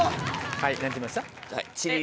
はい何て言いました？